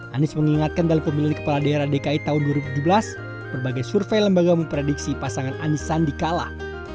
anies mengingatkan dalam pemilih kepala daerah dki tahun dua ribu tujuh belas berbagai survei lembaga memprediksi pasangan anis sandi kalah